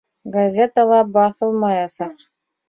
Газетала баҫылмаясаҡ.